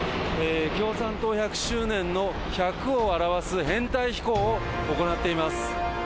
共産党１００周年の１００を表す編隊飛行を行っています。